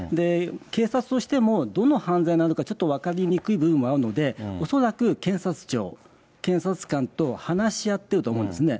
警察としてもどの犯罪なのか、ちょっと分かりにくい部分もあるので、恐らく検察庁、検察官と話し合ってると思うんですね。